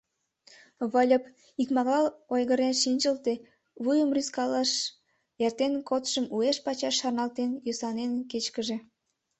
Выльып икмагал ойгырен шинчылте, вуйым рӱзкалыш, эртен кодшым уэш-пачаш шарналтен, йӧсланен кечкыже.